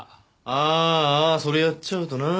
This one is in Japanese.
あーあそれやっちゃうとな。